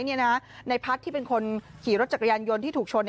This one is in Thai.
นายพัฒน์ที่เป็นคนขี่รถจักรยานยนต์ที่ถูกชน